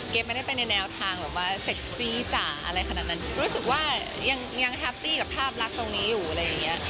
ไม่ได้ไปในแนวทางแบบว่าเซ็กซี่จ่าอะไรขนาดนั้นรู้สึกว่ายังยังแฮปปี้กับภาพลักษณ์ตรงนี้อยู่อะไรอย่างเงี้ย